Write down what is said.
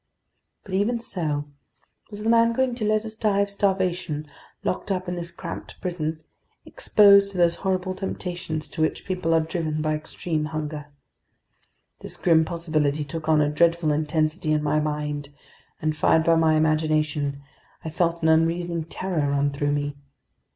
But even so, was the man going to let us die of starvation, locked up in this cramped prison, exposed to those horrible temptations to which people are driven by extreme hunger? This grim possibility took on a dreadful intensity in my mind, and fired by my imagination, I felt an unreasoning terror run through me.